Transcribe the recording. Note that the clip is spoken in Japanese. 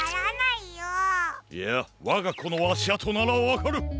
いやわがこのあしあとならわかる！